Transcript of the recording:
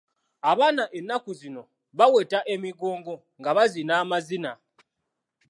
Abaana ennaku zino baweta emigongo nga bazina amazina.